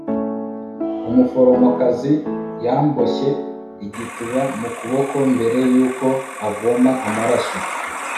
umuforomokazi yamboshye igituba mu kuboko mbere yuko avoma amaraso